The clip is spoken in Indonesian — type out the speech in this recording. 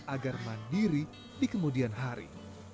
agar mandiri di kemudian hari